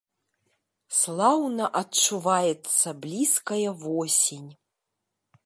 Слаўна адчуваецца блізкая восень.